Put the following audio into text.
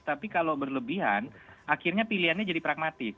tapi kalau berlebihan akhirnya pilihannya jadi pragmatis